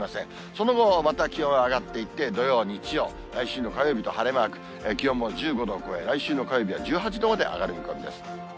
その後、また気温上がっていって、土曜、日曜、来週の火曜日と晴れマーク、気温も１５度を超え、来週の火曜日は１８度まで上がる見込みです。